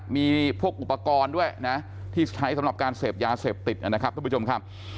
มีพวกอุปกรณ์ด้วยนะที่ใช้สำหรับการเสพยาเสพติดนะครับทุกผู้ชมครับ